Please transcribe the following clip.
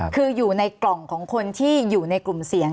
คืออยู่ในกล่องของคนที่อยู่ในกลุ่มเสียง